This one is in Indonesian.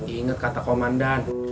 ingat kata komandan